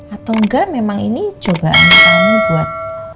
atau enggak memang ini cobaan kamu buat